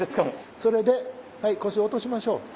それで腰落としましょう。